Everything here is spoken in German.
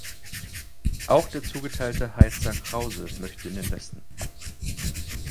Auch der zugeteilte Heizer Krause möchte in den Westen.